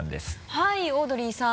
はいオードリーさん。